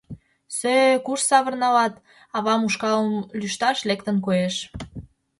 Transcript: — Сӧ-ӧ, куш савырнылат! — авам ушкалым лӱшташ лектын, коеш.